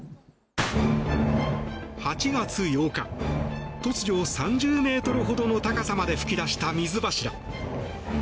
８月８日、突如３０ｍほどの高さまで噴き出した水柱。